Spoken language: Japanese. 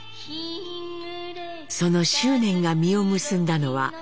その執念が実を結んだのは昭和４８年。